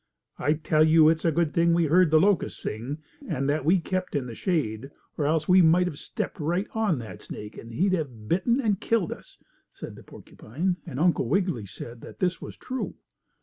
"I tell you it is a good thing we heard the locust sing, and that we kept in the shade, or else we might have stepped right on that snake and he'd have bitten and killed us," said the porcupine, and Uncle Wiggily said that this was true.